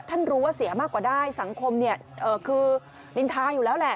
ท่านรู้ว่าเสียมากกว่าได้สังคมคือนินทาอยู่แล้วแหละ